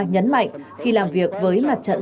nhấn mạnh khi làm việc với mặt trận